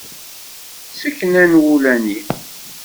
Ssekna n wulani.